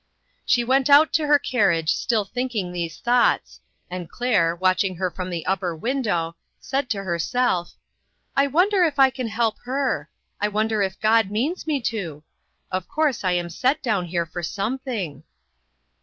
She went out to her carriage still think ing these thoughts, and Claire, watching her from the upper window, said to herself: " I wonder if I can help her ? I wonder if God means me to? Of course, I am set down here for something."